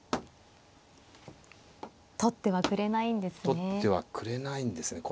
取ってはくれないんですね。